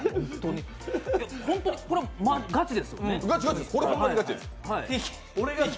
本当にこれはガチですよね。